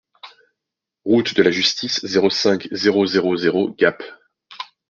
Route de la Justice, zéro cinq, zéro zéro zéro Gap